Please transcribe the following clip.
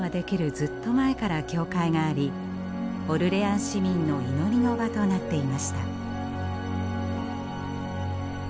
ずっと前から教会がありオルレアン市民の祈りの場となっていました。